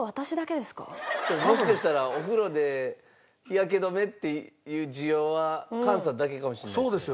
もしかしたらお風呂で日焼け止めっていう需要は菅さんだけかもしれないですよ。